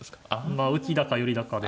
まあ浮きだか寄りだかで。